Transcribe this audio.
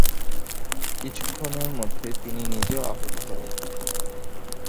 কিছুক্ষণের মধ্যে তিনি নিজেও আহত হলেন।